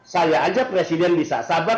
saya aja presiden bisa sabar